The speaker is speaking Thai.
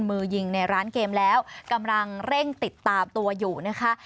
มือยิงในร้านเกมแล้วกำลังเร่งติดตามตัวอยู่นะคะ